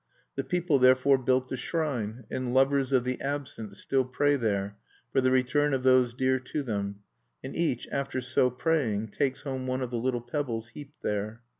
The people therefore built the shrine; and lovers of the absent still pray there for the return of those dear to them; and each, after so praying, takes home one of the little pebbles heaped there.